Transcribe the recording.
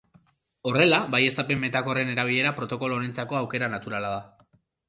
Horrela, baieztapen metakorren erabilera protokolo honentzako aukera naturala da.